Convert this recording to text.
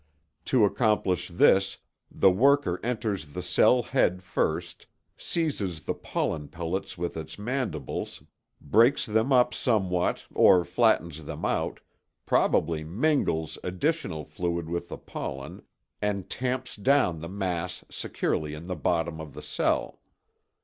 To accomplish this the worker enters the cell head first, seizes the pollen pellets with its mandibles, breaks them up somewhat or flattens them out, probably mingles additional fluid with the pollen, and tamps down the mass securely in the bottom of the cell.